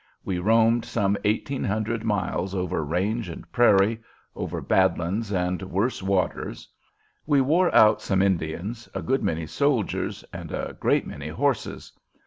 We roamed some eighteen hundred miles over range and prairie, over "bad lands" and worse waters. We wore out some Indians, a good many soldiers, and a great many horses.